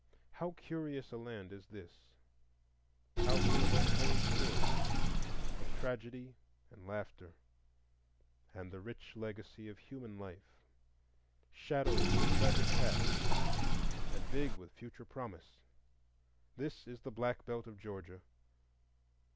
How curious a land is this,—how full of untold story, of tragedy and laughter, and the rich legacy of human life; shadowed with a tragic past, and big with future promise! This is the Black Belt of Georgia.